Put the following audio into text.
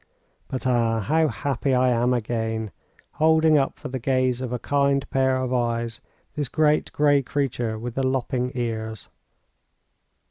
But, ah! how happy I am again, holding up for the gaze of a kind pair of eyes this great, gray creature with the lopping ears.